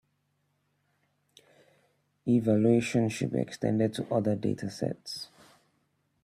Evaluation should be extended to other datasets.